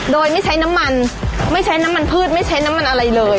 โดยไม่ใช้น้ำมันไม่ใช้น้ำมันพืชไม่ใช้น้ำมันอะไรเลย